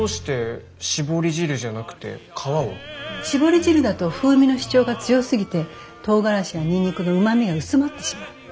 搾り汁だと風味の主張が強すぎてトウガラシやニンニクのうまみが薄まってしまう。